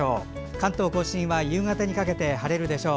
関東・甲信は夕方にかけて晴れるでしょう。